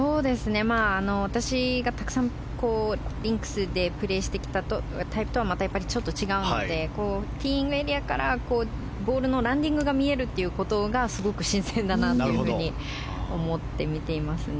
私がたくさんリンクスでプレーしてきたタイプとはまたちょっと違うのでティーイングエリアからボールのランディングがよく見えることがすごく新鮮だなと思って見てますね。